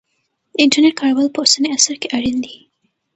د انټرنیټ کارول په اوسني عصر کې اړین دی.